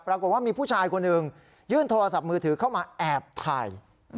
ปรากฏว่ามีผู้ชายคนหนึ่งยื่นโทรศัพท์มือถือเข้ามาแอบถ่าย